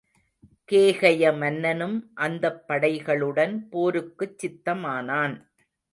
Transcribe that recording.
கேகய மன்னனும் அந்தப் படைகளுடன் போருக்குச் சித்தமானான்.